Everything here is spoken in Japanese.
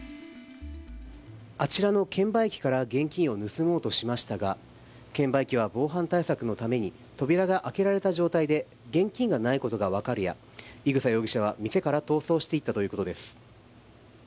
あちらの券売機から現金を盗もうとしましたが券売機は防犯対策のために扉が開けられた状態で現金がないことが分かるや伊草容疑者は店から逃走したということです。